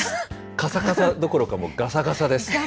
かさかさどころか、もうがさがさです。